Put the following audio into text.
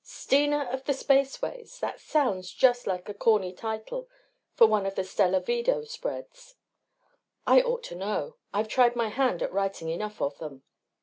Steena of the spaceways that sounds just like a corny title for one of the Stellar Vedo spreads. I ought to know, I've tried my hand at writing enough of them.